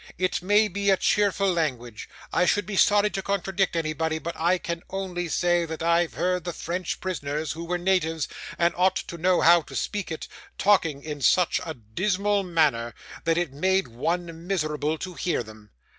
It may be a cheerful language. I should be sorry to contradict anybody; but I can only say that I've heard the French prisoners, who were natives, and ought to know how to speak it, talking in such a dismal manner, that it made one miserable to hear them.